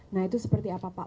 nah itu seperti apa pak